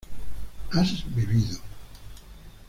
has vivido